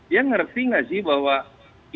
ya ngerti nggak sih bahwa itu semua diselenggarakan